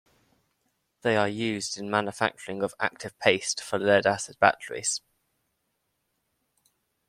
They are used in manufacturing of active paste for lead acid batteries.